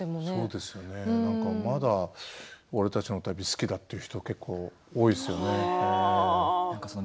まだ「俺たちの旅」好きだっていう人結構、多いですね。